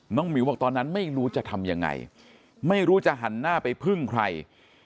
หมิวบอกตอนนั้นไม่รู้จะทำยังไงไม่รู้จะหันหน้าไปพึ่งใคร